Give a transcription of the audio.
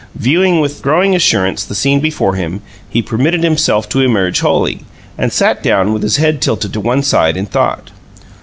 Viewing with growing assurance the scene before him, he permitted himself to emerge wholly, and sat down, with his head tilted to one side in thought.